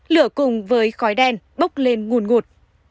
lửa cùng với khói đen bốc lên ngùn ngụt